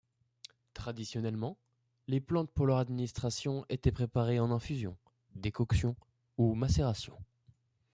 Traditionnellement, les plantes pour leur administration étaient préparées en infusion, décoction ou macération.